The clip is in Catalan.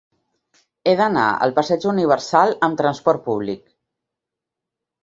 He d'anar al passeig Universal amb trasport públic.